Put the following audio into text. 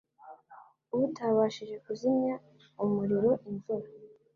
utabashije kuzimya umuriro imvura